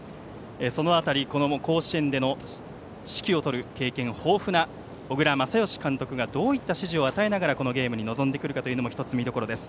その辺り甲子園での指揮を執る経験豊富な小倉全由監督がどういった指示を与えながらこのゲームに臨んでくるかも１つ、見どころです。